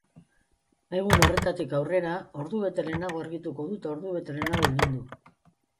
Egun horretatik aurrera, ordubete lehenago argituko du eta ordubete lehenago ilundu.